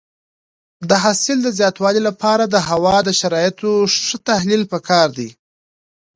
د حاصل د زیاتوالي لپاره د هوا د شرایطو ښه تحلیل پکار دی.